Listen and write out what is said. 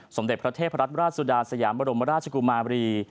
สมเด็จพระเทพรัตนราชสุดาสยามบรมราชกุมารี